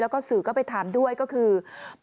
แล้วก็สื่อก็ไปถามด้วยก็คือ